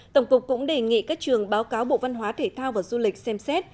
tổng cục cũng đề nghị các trường báo cáo bộ văn hóa thể thao và du lịch xem xét